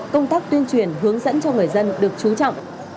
công tác tuyên truyền hướng dẫn cho người dân được trú trọng